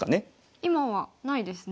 今はないですね。